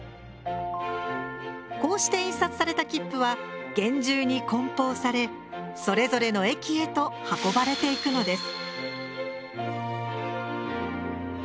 こうして印刷された切符は厳重に梱包されそれぞれの駅へと運ばれていくのです。